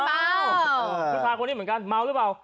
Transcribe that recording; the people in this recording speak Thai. ผู้ชายคนนี้เหมือนกันเมาหรือเปล่า